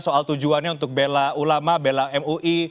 soal tujuannya untuk bela ulama bela mui